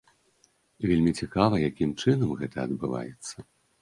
Вельмі цікава, якім чынам гэта адбываецца.